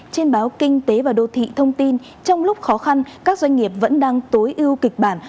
trên báo kinh tế và đô thị thông tin trong lúc khó khăn các doanh nghiệp vẫn đang tối ưu kịch bản